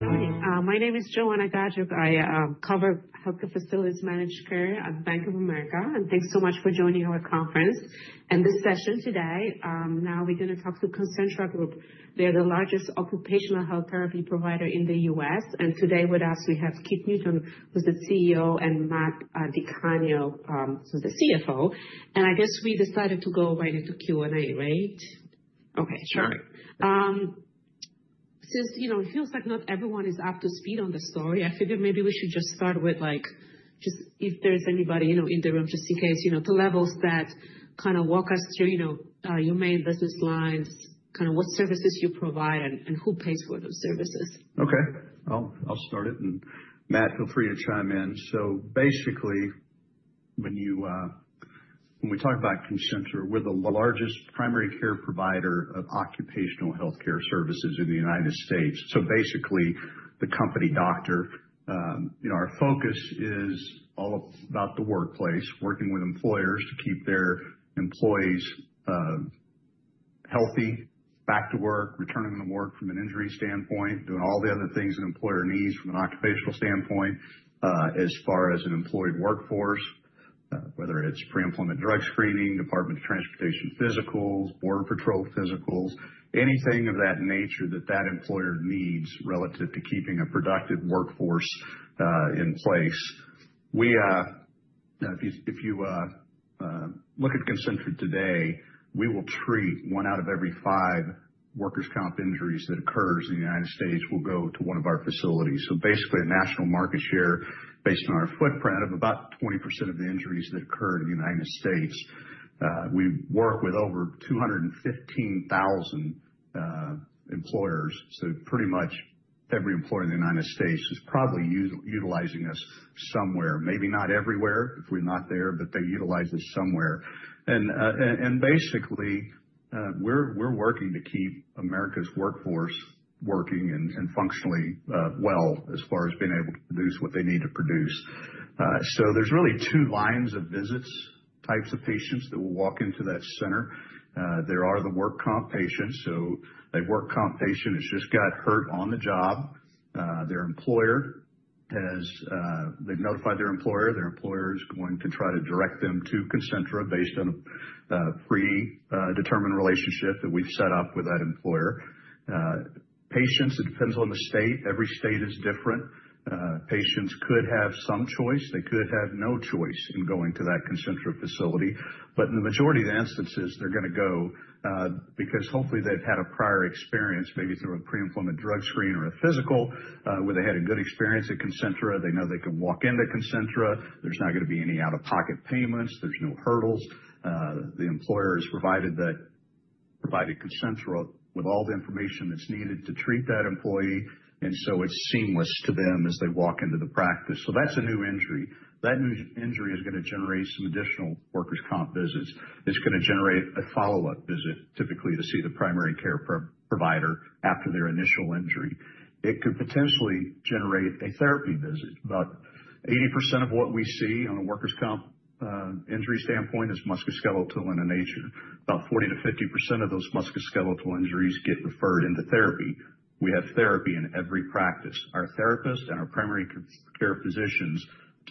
My name is Joanna Badger. I cover healthcare facilities managed care at Bank of America, and thanks so much for joining our conference and this session today. Now we're going to talk to Concentra Group. They're the largest occupational health therapy provider in the U.S. Today with us, we have Keith Newton, who's the CEO, and Matt DiCanio, who's the CFO. I guess we decided to go right into Q&A, right? Okay. Sure. Since it feels like not everyone is up to speed on the story, I figured maybe we should just start with just if there's anybody in the room, just in case, to levels that kind of walk us through your main business lines, kind of what services you provide, and who pays for those services. Okay. I'll start it. Matt, feel free to chime in. Basically, when we talk about Concentra, we're the largest primary care provider of occupational healthcare services in the United States. Basically, the company doctor, our focus is all about the workplace, working with employers to keep their employees healthy, back to work, returning to work from an injury standpoint, doing all the other things an employer needs from an occupational standpoint as far as an employed workforce, whether it's pre-employment drug screening, Department of Transportation physicals, Border Patrol physicals, anything of that nature that employer needs relative to keeping a productive workforce in place. If you look at Concentra today, we will treat one out of every five workers' comp injuries that occurs in the United States will go to one of our facilities. Basically, a national market share based on our footprint of about 20% of the injuries that occurred in the United States. We work with over 215,000 employers. Pretty much every employer in the United States is probably utilizing us somewhere, maybe not everywhere if we're not there, but they utilize us somewhere. Basically, we're working to keep America's workforce working and functionally well as far as being able to produce what they need to produce. There's really two lines of visits, types of patients that will walk into that center. There are the work comp patients. A work comp patient has just got hurt on the job. Their employer has notified their employer. Their employer is going to try to direct them to Concentra based on a predetermined relationship that we've set up with that employer. Patients, it depends on the state. Every state is different. Patients could have some choice. They could have no choice in going to that Concentra facility. In the majority of the instances, they're going to go because hopefully they've had a prior experience, maybe through a pre-employment drug screen or a physical, where they had a good experience at Concentra. They know they can walk into Concentra. There's not going to be any out-of-pocket payments. There's no hurdles. The employer has provided Concentra with all the information that's needed to treat that employee. It is seamless to them as they walk into the practice. That is a new injury. That new injury is going to generate some additional workers' comp visits. It's going to generate a follow-up visit, typically to see the primary care provider after their initial injury. It could potentially generate a therapy visit. About 80% of what we see on a workers' comp injury standpoint is musculoskeletal in nature. About 40-50% of those musculoskeletal injuries get referred into therapy. We have therapy in every practice. Our therapists and our primary care physicians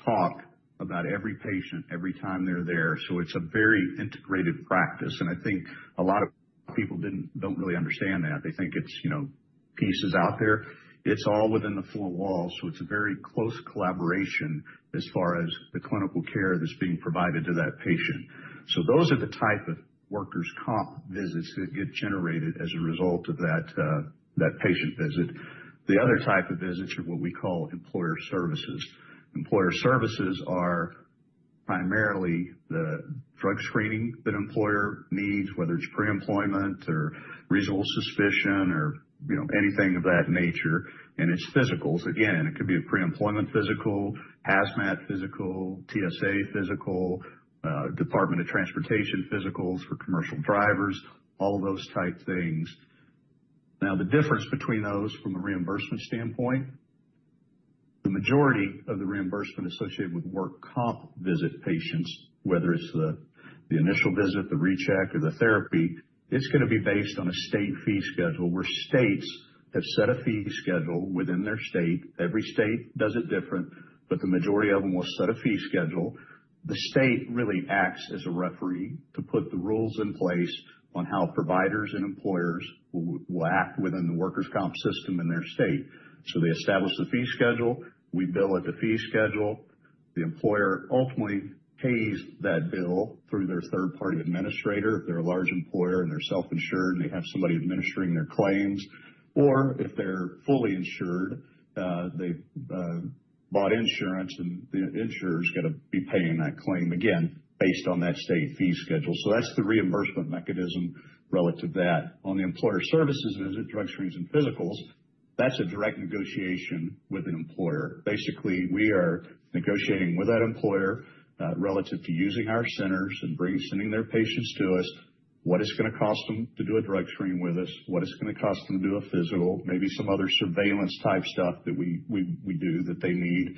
talk about every patient every time they're there. It is a very integrated practice. I think a lot of people don't really understand that. They think it's pieces out there. It's all within the four walls. It is a very close collaboration as far as the clinical care that's being provided to that patient. Those are the type of workers' comp visits that get generated as a result of that patient visit. The other type of visits are what we call employer services. Employer services are primarily the drug screening that an employer needs, whether it's pre-employment or reasonable suspicion or anything of that nature. It's physicals. Again, it could be a pre-employment physical, hazmat physical, TSA physical, Department of Transportation physicals for commercial drivers, all those type things. Now, the difference between those from a reimbursement standpoint, the majority of the reimbursement associated with work comp visit patients, whether it's the initial visit, the recheck, or the therapy, is going to be based on a state fee schedule where states have set a fee schedule within their state. Every state does it different, but the majority of them will set a fee schedule. The state really acts as a referee to put the rules in place on how providers and employers will act within the workers' comp system in their state. They establish the fee schedule. We bill at the fee schedule. The employer ultimately pays that bill through their third-party administrator. If they're a large employer and they're self-insured and they have somebody administering their claims, or if they're fully insured, they bought insurance, and the insurer is going to be paying that claim again based on that state fee schedule. That's the reimbursement mechanism relative to that. On the employer services visit, drug screens and physicals, that's a direct negotiation with an employer. Basically, we are negotiating with that employer relative to using our centers and sending their patients to us, what it's going to cost them to do a drug screen with us, what it's going to cost them to do a physical, maybe some other surveillance type stuff that we do that they need.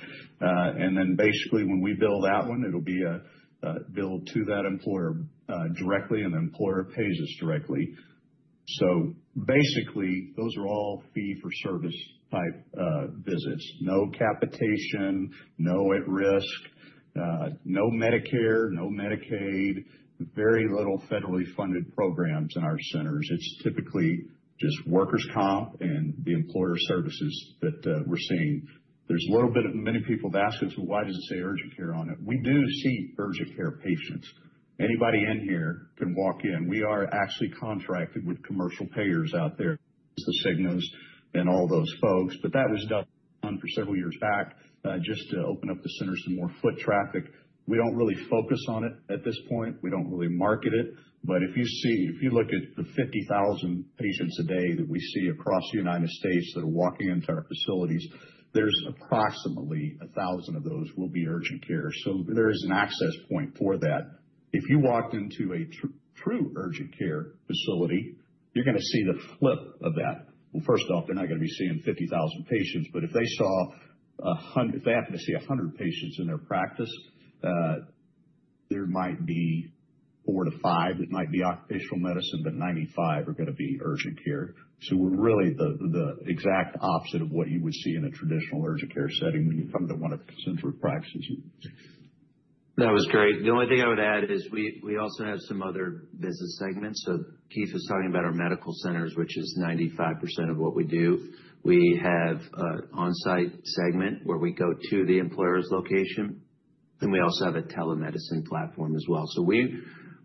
Basically, when we bill that one, it'll be a bill to that employer directly, and the employer pays us directly. Basically, those are all fee-for-service type visits. No capitation, no at-risk, no Medicare, no Medicaid, very little federally funded programs in our centers. It's typically just workers' comp and the employer services that we're seeing. There's a little bit of, many people have asked us, "Why does it say urgent care on it?" We do see urgent care patients. Anybody in here can walk in. We are actually contracted with commercial payers out there, the Cignas and all those folks. That was done for several years back just to open up the centers to more foot traffic. We don't really focus on it at this point. We don't really market it. If you look at the 50,000 patients a day that we see across the United States that are walking into our facilities, there's approximately 1,000 of those will be urgent care. There is an access point for that. If you walked into a true urgent care facility, you're going to see the flip of that. First off, they're not going to be seeing 50,000 patients. If they happen to see 100 patients in their practice, there might be 4 to 5 that might be occupational medicine, but 95 are going to be urgent care. We're really the exact opposite of what you would see in a traditional urgent care setting when you come to one of the Concentra practices. That was great. The only thing I would add is we also have some other business segments. Keith was talking about our medical centers, which is 95% of what we do. We have an on-site segment where we go to the employer's location. We also have a telemedicine platform as well.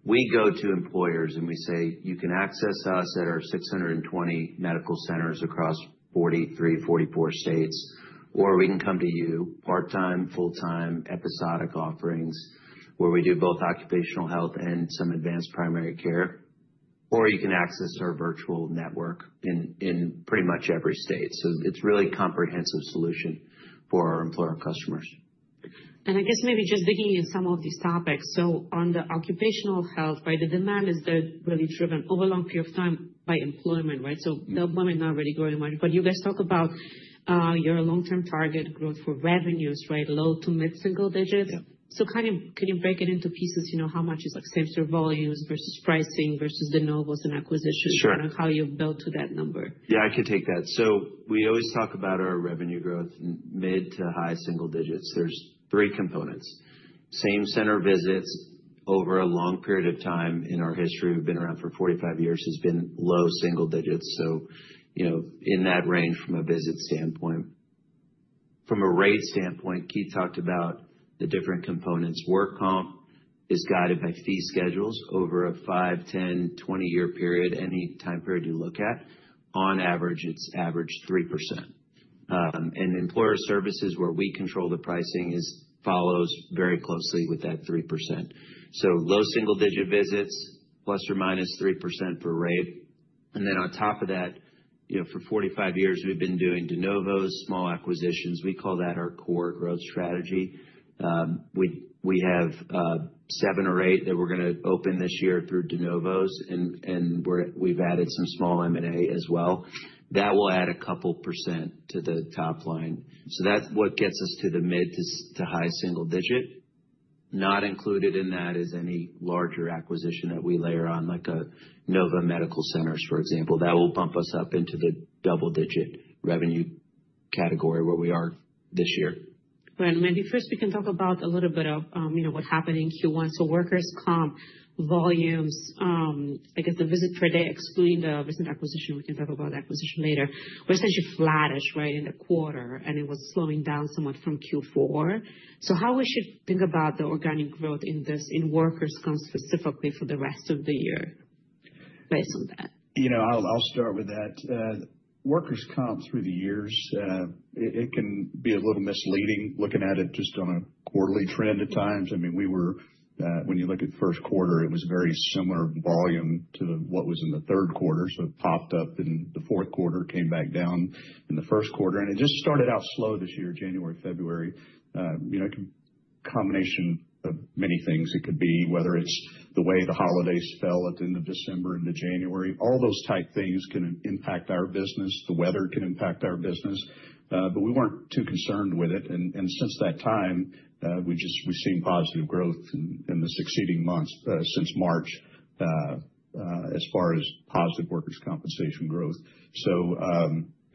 We go to employers and we say, "You can access us at our 620 medical centers across 43, 44 states, or we can come to you, part-time, full-time, episodic offerings where we do both occupational health and some advanced primary care. Or you can access our virtual network in pretty much every state." It is really a comprehensive solution for our employer customers. I guess maybe just digging in some of these topics. On the occupational health, right, the demand is really driven over a long period of time by employment, right? The employment is not really growing much. You guys talk about your long-term target growth for revenues, right, low to mid-single digits. Can you break it into pieces? How much is same-to-volumes versus pricing versus De Novos and acquisitions? How do you build to that number? Yeah, I could take that. We always talk about our revenue growth, mid to high single digits. There are three components. Same-center visits over a long period of time in our history, we have been around for 45 years, has been low single digits. In that range from a visit standpoint. From a rate standpoint, Keith talked about the different components. Workers' comp is guided by fee schedules over a 5-10-20 year period, any time period you look at. On average, it has averaged 3%. Employer services, where we control the pricing, follows very closely with that 3%. Low single-digit visits, ± 3% for rate. On top of that, for 45 years, we have been doing De Novos, small acquisitions. We call that our core growth strategy. We have seven or eight that we are going to open this year through De Novos. We have added some small M&A as well. That will add a couple % to the top line. That is what gets us to the mid to high-single-digit. Not included in that is any larger acquisition that we layer on, like Nova Medical Centers, for example. That will bump us up into the double-digit revenue category where we are this year. Maybe first we can talk about a little bit of what happened in Q1. Workers' comp volumes, I guess the visit per day, excluding the recent acquisition—we can talk about the acquisition later—were essentially flattish, right, in the quarter, and it was slowing down somewhat from Q4. How should we think about the organic growth in workers' comp specifically for the rest of the year, based on that? I'll start with that. Workers' comp through the years, it can be a little misleading looking at it just on a quarterly trend at times. I mean, when you look at first quarter, it was very similar volume to what was in the third quarter. It popped up in the fourth quarter, came back down in the first quarter. It just started out slow this year, January, February. A combination of many things. It could be whether it's the way the holidays fell at the end of December into January. All those type things can impact our business. The weather can impact our business. We weren't too concerned with it. Since that time, we've seen positive growth in the succeeding months since March as far as positive workers' compensation growth.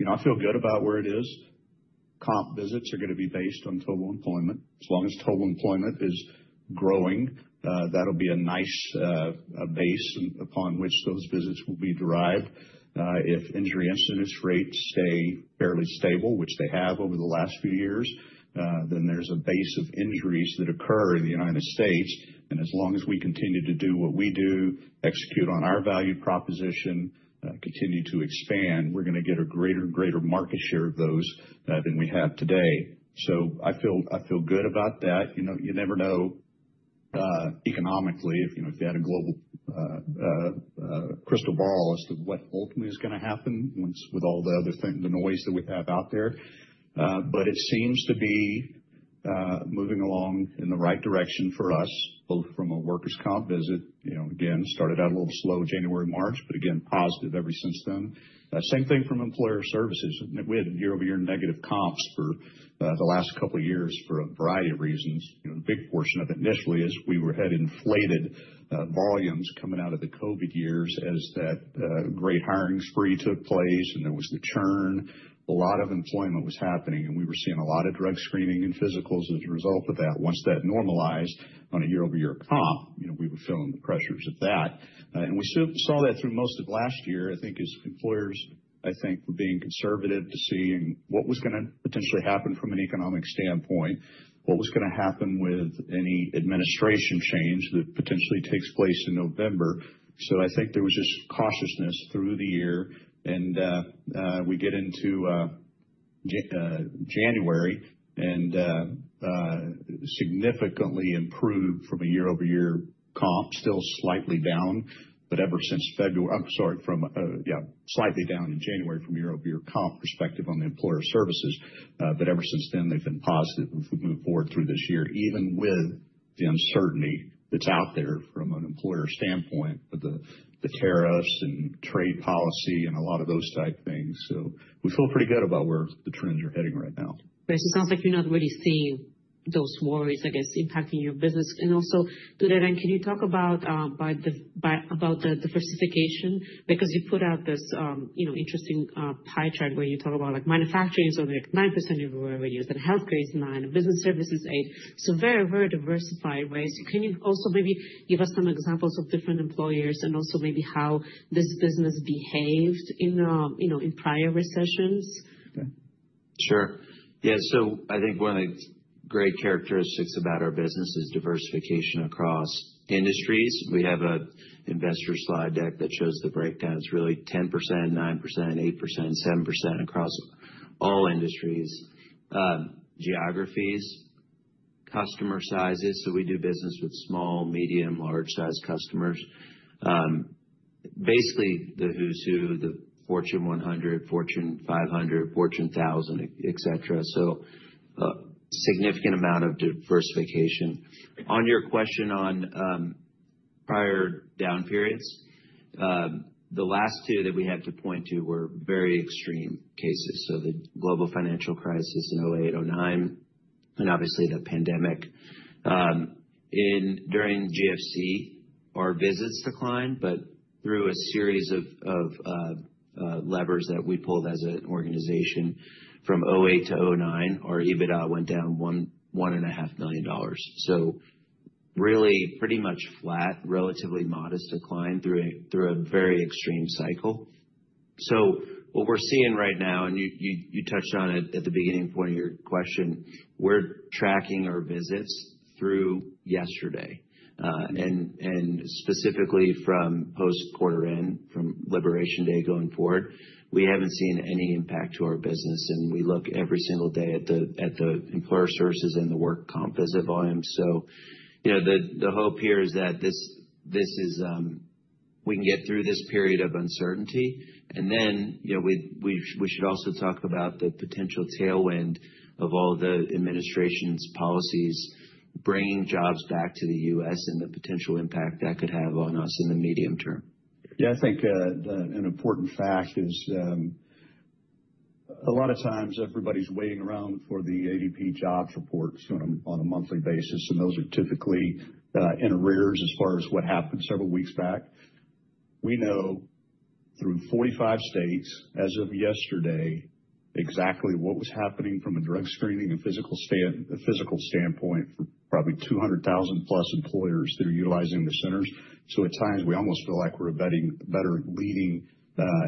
I feel good about where it is. Comp visits are going to be based on total employment. As long as total employment is growing, that'll be a nice base upon which those visits will be derived. If injury incidence rates stay fairly stable, which they have over the last few years, then there's a base of injuries that occur in the United States. As long as we continue to do what we do, execute on our value proposition, continue to expand, we're going to get a greater and greater market share of those than we have today. I feel good about that. You never know economically if you had a global crystal ball as to what ultimately is going to happen with all the noise that we have out there. It seems to be moving along in the right direction for us, both from a workers' comp visit. Again, started out a little slow, January, March, but again, positive ever since then. Same thing from employer services. We had year-over-year negative comps for the last couple of years for a variety of reasons. A big portion of it initially is we had inflated volumes coming out of the COVID years as that great hiring spree took place and there was the churn. A lot of employment was happening. We were seeing a lot of drug screening and physicals as a result of that. Once that normalized on a year-over-year comp, we were feeling the pressures of that. We saw that through most of last year, I think, as employers, I think, were being conservative to see what was going to potentially happen from an economic standpoint, what was going to happen with any administration change that potentially takes place in November. I think there was just cautiousness through the year. We get into January and significantly improved from a year-over-year comp, still slightly down, but ever since February, I'm sorry, yeah, slightly down in January from a year-over-year comp perspective on the employer services. Ever since then, they've been positive as we move forward through this year, even with the uncertainty that's out there from an employer standpoint with the tariffs and trade policy and a lot of those type things. We feel pretty good about where the trends are heading right now. Right. It sounds like you're not really seeing those worries, I guess, impacting your business. To that end, can you talk about the diversification? You put out this interesting pie chart where you talk about manufacturing is only 9% of revenues and healthcare is 9%, business services is 8%. Very, very diversified ways. Can you also maybe give us some examples of different employers and also maybe how this business behaved in prior recessions? Sure. Yeah. I think one of the great characteristics about our business is diversification across industries. We have an investor slide deck that shows the breakdown. It is really 10%, 9%, 8%, 7% across all industries, geographies, customer sizes. We do business with small, medium, large-sized customers. Basically, the who's who, the Fortune 100, Fortune 500, Fortune 1000, etc. A significant amount of diversification. On your question on prior down periods, the last two that we had to point to were very extreme cases. The global financial crisis in 2008, 2009, and obviously the pandemic. During GFC, our visits declined, but through a series of levers that we pulled as an organization from 2008 to 2009, our EBITDA went down $1.5 million. Really pretty much flat, relatively modest decline through a very extreme cycle. What we're seeing right now, and you touched on it at the beginning of your question, we're tracking our visits through yesterday. Specifically from post-quarter end, from liberation day going forward, we haven't seen any impact to our business. We look every single day at the employer services and the work comp visit volumes. The hope here is that we can get through this period of uncertainty. We should also talk about the potential tailwind of all the administration's policies bringing jobs back to the U.S. and the potential impact that could have on us in the medium term. Yeah. I think an important fact is a lot of times everybody's waiting around for the ADP jobs reports on a monthly basis. Those are typically in arrears as far as what happened several weeks back. We know through 45 states as of yesterday exactly what was happening from a drug screening and physical standpoint for probably 200,000-plus employers that are utilizing the centers. At times, we almost feel like we're a better leading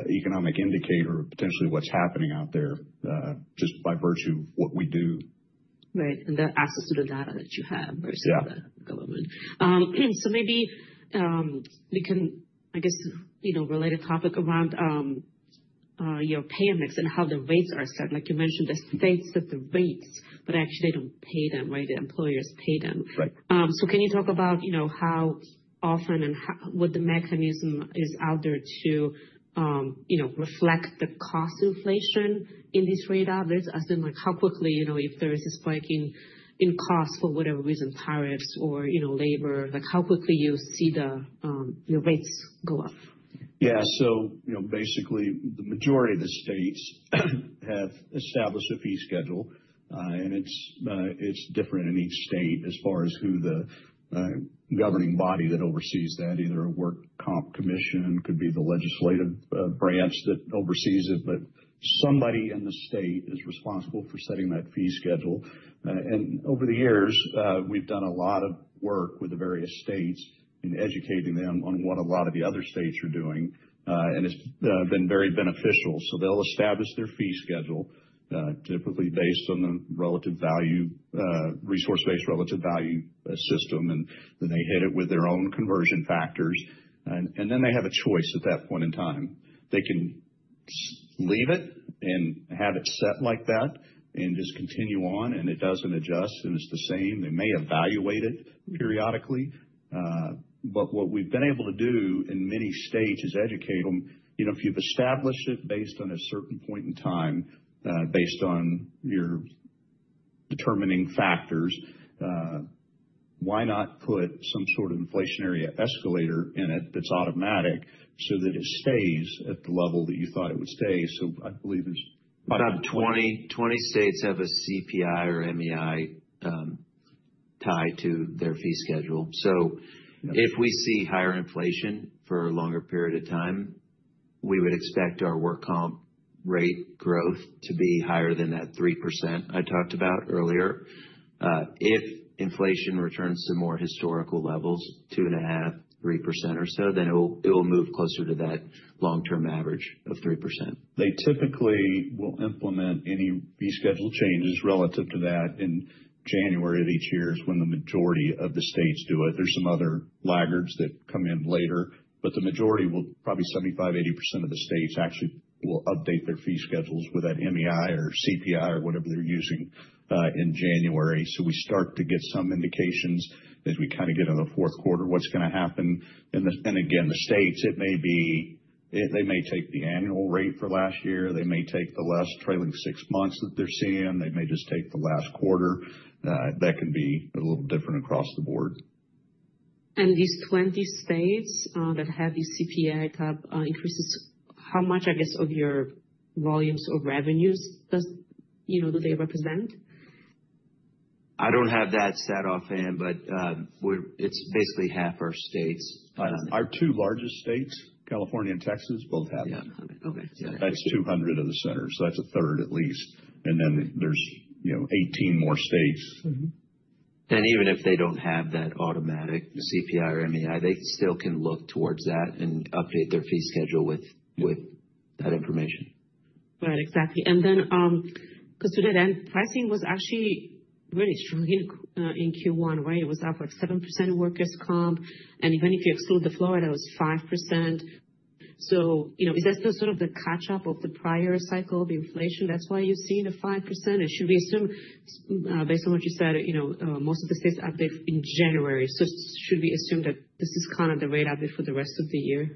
economic indicator of potentially what's happening out there just by virtue of what we do. Right. The access to the data that you have versus the government. Maybe we can, I guess, relate a topic around your pay mix and how the rates are set. Like you mentioned, the states set the rates, but actually they do not pay them, right? The employers pay them. Can you talk about how often and what the mechanism is out there to reflect the cost inflation in these rate outlets? As in how quickly, if there is a spike in cost for whatever reason, tariffs or labor, how quickly you see the rates go up? Yeah. Basically, the majority of the states have established a fee schedule. It's different in each state as far as who the governing body is that oversees that, either a work comp commission, could be the legislative branch that oversees it, but somebody in the state is responsible for setting that fee schedule. Over the years, we've done a lot of work with the various states in educating them on what a lot of the other states are doing. It's been very beneficial. They'll establish their fee schedule, typically based on the resource-based relative value system. Then they hit it with their own conversion factors. They have a choice at that point in time. They can leave it and have it set like that and just continue on, and it doesn't adjust and it's the same. They may evaluate it periodically. What we've been able to do in many states is educate them. If you've established it based on a certain point in time, based on your determining factors, why not put some sort of inflationary escalator in it that's automatic so that it stays at the level that you thought it would stay? I believe there's. About 20 states have a CPI or MEI tied to their fee schedule. If we see higher inflation for a longer period of time, we would expect our work comp rate growth to be higher than that 3% I talked about earlier. If inflation returns to more historical levels, 2.5%, 3% or so, it will move closer to that long-term average of 3%. They typically will implement any fee schedule changes relative to that in January of each year. The majority of the states do it. There are some other laggards that come in later. The majority, probably 75%-80% of the states, actually will update their fee schedules with that MEI or CPI or whatever they are using in January. We start to get some indications as we kind of get into the fourth quarter of what is going to happen. The states, it may be they may take the annual rate for last year. They may take the last trailing six months that they are seeing. They may just take the last quarter. That can be a little different across the board. These 20 states that have these CPI type increases, how much, I guess, of your volumes or revenues do they represent? I don't have that stat offhand, but it's basically half our states. Our two largest states, California and Texas, both have it. Yeah. Okay. That's 200 of the centers. That's a third at least. And then there's 18 more states. Even if they don't have that automatic CPI or MEI, they still can look towards that and update their fee schedule with that information. Right. Exactly. Because to that end, pricing was actually really strong in Q1, right? It was up like 7% workers' comp. Even if you exclude the Florida, it was 5%. Is that still sort of the catch-up of the prior cycle of inflation? That is why you are seeing the 5%. Should we assume, based on what you said, most of the states update in January, so should we assume that this is kind of the rate update for the rest of the year?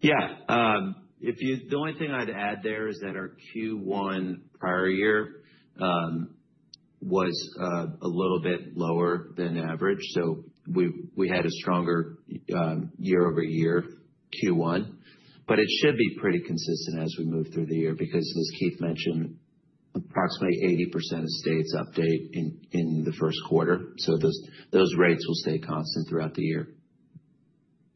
Yeah. The only thing I'd add there is that our Q1 prior year was a little bit lower than average. We had a stronger year-over-year Q1. It should be pretty consistent as we move through the year because, as Keith mentioned, approximately 80% of states update in the first quarter. Those rates will stay constant throughout the year.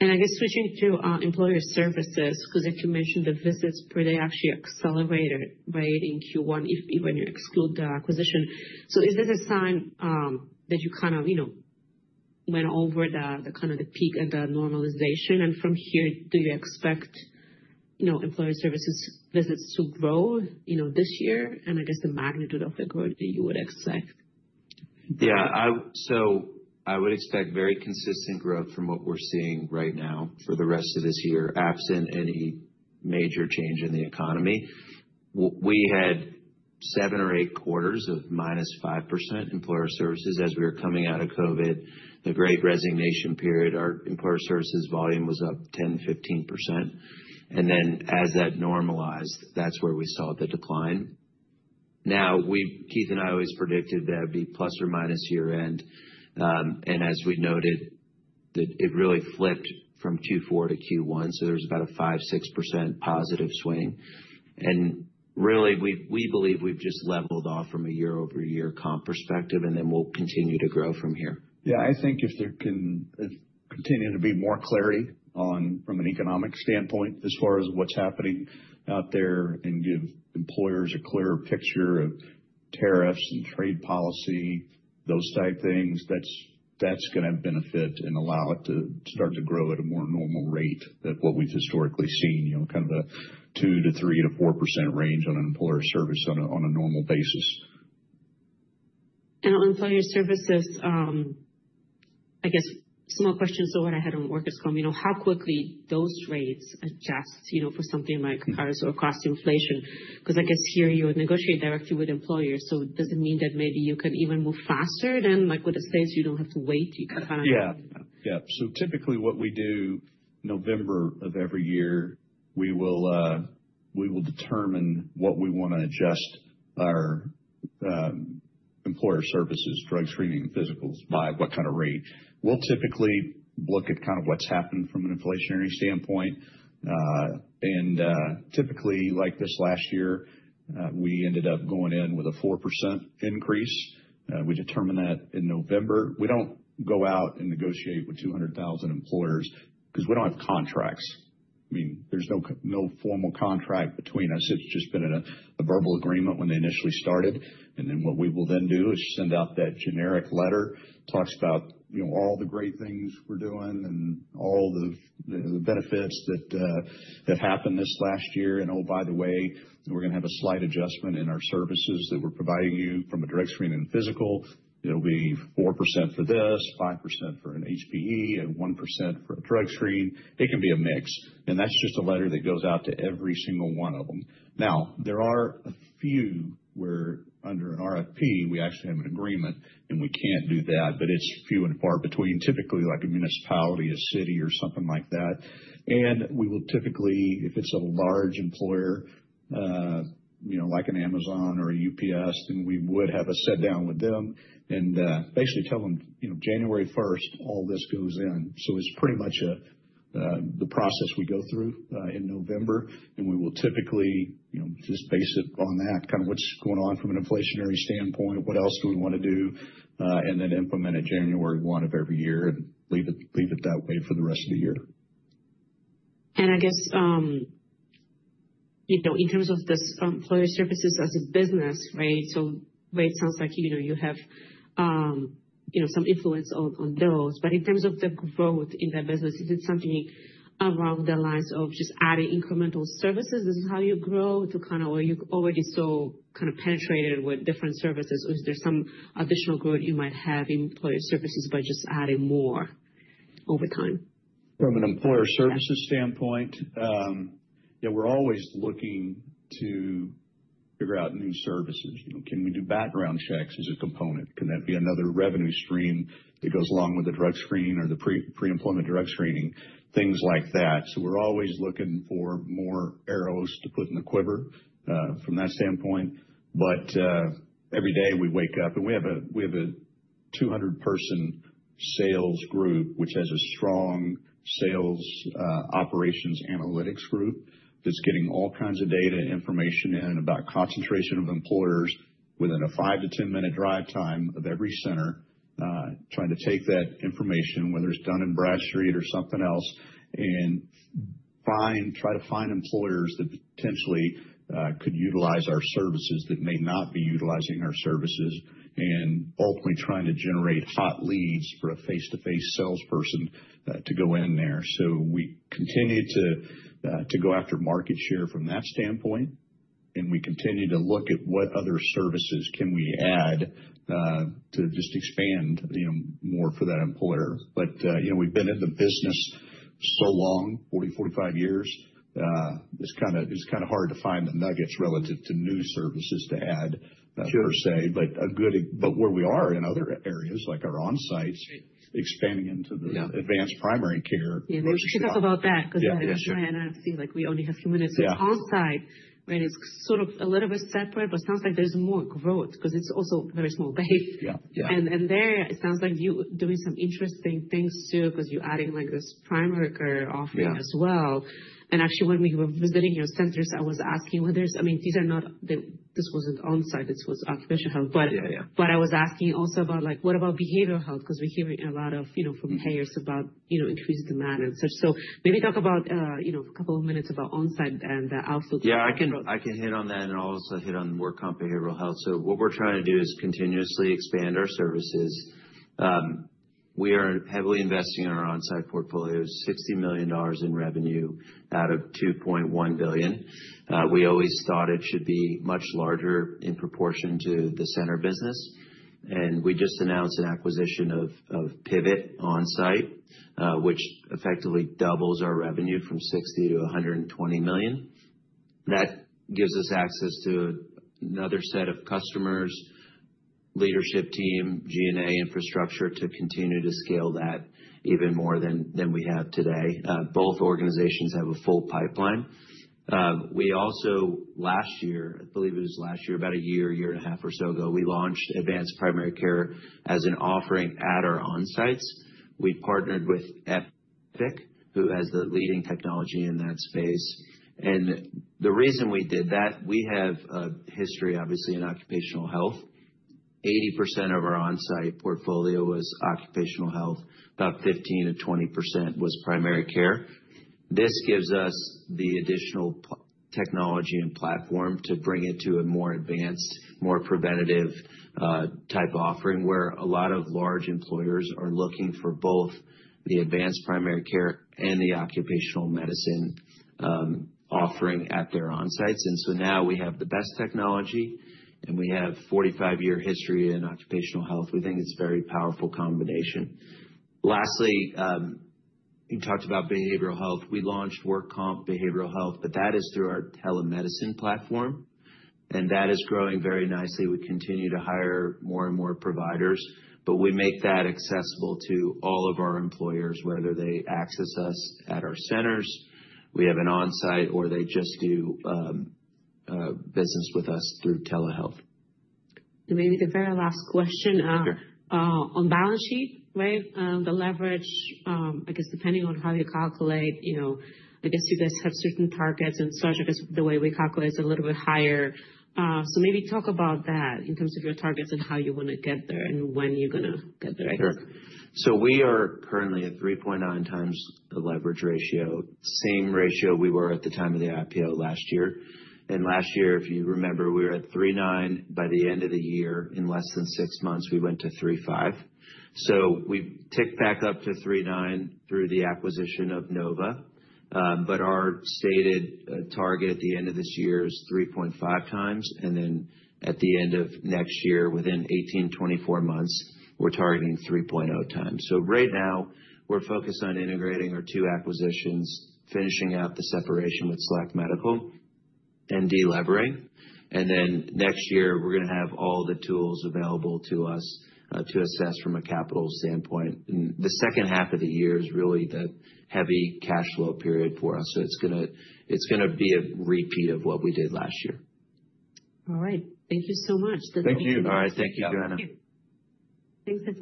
I guess switching to employer services, because if you mentioned the visits, were they actually accelerated, right, in Q1 if you exclude the acquisition? Is this a sign that you kind of went over the peak and the normalization? From here, do you expect employer services visits to grow this year? The magnitude of the growth that you would expect? Yeah. I would expect very consistent growth from what we're seeing right now for the rest of this year, absent any major change in the economy. We had seven or eight quarters of minus 5% employer services as we were coming out of COVID, the great resignation period. Our employer services volume was up 10-15%. As that normalized, that's where we saw the decline. Keith and I always predicted that it'd be plus or minus year-end. As we noted, it really flipped from Q4 to Q1. There was about a 5-6% positive swing. We believe we've just leveled off from a year-over-year comp perspective, and then we'll continue to grow from here. Yeah. I think if there can continue to be more clarity from an economic standpoint as far as what's happening out there and give employers a clearer picture of tariffs and trade policy, those type things, that's going to benefit and allow it to start to grow at a more normal rate than what we've historically seen, kind of a 2-3-4% range on an employer service on a normal basis. On employer services, I guess, small question to what I had on workers' comp, how quickly those rates adjust for something like tariffs or cost inflation? I guess here you negotiate directly with employers. Does it mean that maybe you can even move faster? With the states, you don't have to wait. You can kind of. Yeah. Yeah. Typically what we do November of every year, we will determine what we want to adjust our employer services, drug screening, and physicals by what kind of rate. We'll typically look at kind of what's happened from an inflationary standpoint. Typically, like this last year, we ended up going in with a 4% increase. We determined that in November. We don't go out and negotiate with 200,000 employers because we don't have contracts. I mean, there's no formal contract between us. It's just been a verbal agreement when they initially started. What we will then do is send out that generic letter that talks about all the great things we're doing and all the benefits that happened this last year. Oh, by the way, we're going to have a slight adjustment in our services that we're providing you from a drug screen and physical. It'll be 4% for this, 5% for an HPE, and 1% for a drug screen. It can be a mix. That's just a letter that goes out to every single one of them. There are a few where under an RFP, we actually have an agreement, and we can't do that, but it's few and far between, typically like a municipality, a city, or something like that. We will typically, if it's a large employer like Amazon or UPS, have a sit-down with them and basically tell them, "January 1st, all this goes in." It's pretty much the process we go through in November. We will typically just base it on that, kind of what's going on from an inflationary standpoint, what else do we want to do, and then implement it January 1 of every year and leave it that way for the rest of the year. I guess in terms of this employer services as a business, right? It sounds like you have some influence on those. In terms of the growth in that business, is it something around the lines of just adding incremental services? This is how you grow to kind of where you already saw kind of penetrated with different services. Is there some additional growth you might have in employer services by just adding more over time? From an employer services standpoint, yeah, we're always looking to figure out new services. Can we do background checks as a component? Can that be another revenue stream that goes along with the drug screen or the pre-employment drug screening, things like that? We're always looking for more arrows to put in the quiver from that standpoint. Every day we wake up, and we have a 200-person sales group, which has a strong sales operations analytics group that's getting all kinds of data information in about concentration of employers within a 5-10 minute drive time of every center, trying to take that information, whether it's Dun & Bradstreet or something else, and try to find employers that potentially could utilize our services that may not be utilizing our services, and ultimately trying to generate hot leads for a face-to-face salesperson to go in there. We continue to go after market share from that standpoint. We continue to look at what other services can we add to just expand more for that employer. We've been in the business so long, 40, 45 years, it's kind of hard to find the nuggets relative to new services to add per se. Where we are in other areas, like our on-sites, expanding into the advanced primary care. Yeah. We should talk about that because I feel like we only have a few minutes. On-site, right, it's sort of a little bit separate, but it sounds like there's more growth because it's also a very small base. There, it sounds like you're doing some interesting things too because you're adding this primary care offering as well. Actually, when we were visiting your centers, I was asking whether, I mean, these are not, this wasn't on-site. This was occupational health. I was asking also about what about behavioral health because we're hearing a lot from payers about increased demand and such. Maybe talk for a couple of minutes about on-site and the outputs of the growth. Yeah. I can hit on that and also hit on work comp behavioral health. What we're trying to do is continuously expand our services. We are heavily investing in our on-site portfolio, $60 million in revenue out of $2.1 billion. We always thought it should be much larger in proportion to the center business. We just announced an acquisition of Pivot OnSite, which effectively doubles our revenue from $60 million to $120 million. That gives us access to another set of customers, leadership team, G&A infrastructure to continue to scale that even more than we have today. Both organizations have a full pipeline. We also, last year, I believe it was last year, about a year, year and a half or so ago, we launched advanced primary care as an offering at our on-sites. We partnered with Epic, who has the leading technology in that space. The reason we did that, we have a history, obviously, in occupational health. 80% of our on-site portfolio was occupational health. About 15%-20% was primary care. This gives us the additional technology and platform to bring it to a more advanced, more preventative type offering where a lot of large employers are looking for both the advanced primary care and the occupational medicine offering at their on-sites. Now we have the best technology, and we have a 45-year history in occupational health. We think it's a very powerful combination. Lastly, you talked about behavioral health. We launched work comp behavioral health, but that is through our telemedicine platform. That is growing very nicely. We continue to hire more and more providers, but we make that accessible to all of our employers, whether they access us at our centers, we have an on-site, or they just do business with us through telehealth. Maybe the very last question on balance sheet, right? The leverage, I guess, depending on how you calculate, I guess you guys have certain targets and such. I guess the way we calculate is a little bit higher. Maybe talk about that in terms of your targets and how you want to get there and when you're going to get there, I guess. Sure. We are currently at 3.9 times the leverage ratio, same ratio we were at the time of the IPO last year. Last year, if you remember, we were at 3.9. By the end of the year, in less than six months, we went to 3.5. We ticked back up to 3.9 through the acquisition of Nova Medical Centers. Our stated target at the end of this year is 3.5 times. At the end of next year, within 18-24 months, we're targeting 3.0 times. Right now, we're focused on integrating our two acquisitions, finishing out the separation with Select Medical and delivery. Next year, we're going to have all the tools available to us to assess from a capital standpoint. The second half of the year is really the heavy cash flow period for us. It's going to be a repeat of what we did last year. All right. Thank you so much. That's all. Thank you. All right. Thank you, Joanna. Thanks.